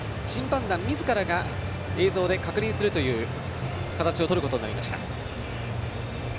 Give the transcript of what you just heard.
その後、審判団みずからが映像で確認する形をとることになりました。